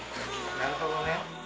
なるほどね。